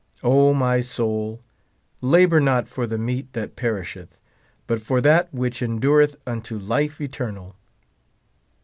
O my soul, labor not for the meat that per isheth. but for that which endureth unto life eternal.